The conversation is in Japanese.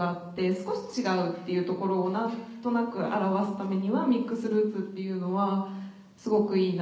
少し違うっていうところを何となく表すためにはミックスルーツっていうのはすごくいいなって。